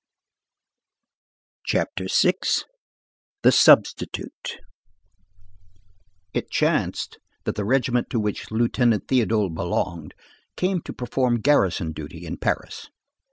CHAPTER VI—THE SUBSTITUTE It chanced that the regiment to which Lieutenant Théodule belonged came to perform garrison duty in Paris.